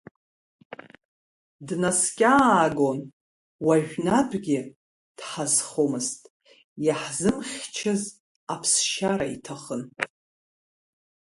Днаскьаагон, уажәнатәгьы дҳазхомызт, иаҳзымхьчаз, аԥсшьара иҭахын.